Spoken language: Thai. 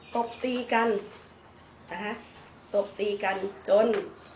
ตบตีกันนะฮะตบตีกันจน